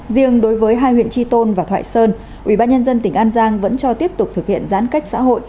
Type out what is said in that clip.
riêng đối với hai huyện tri tôn và thoại sơn ubnd tỉnh an giang vẫn cho tiếp tục thực hiện giãn cách xã hội